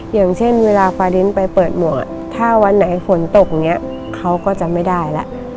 อย่างเช่นเวลาฟาดินไปเปิดหมวกถ้าวันไหนฝนตกอย่างนี้เขาก็จะไม่ได้แล้ว